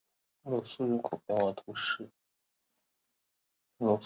洛苏人口变化图示